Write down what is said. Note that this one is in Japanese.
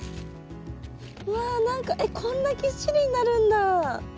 うわ何かえっこんなぎっしりになるんだ！